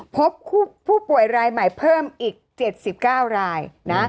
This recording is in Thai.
พบผู้ป่วยรายใหม่เพิ่มอีก๗๙รายนะ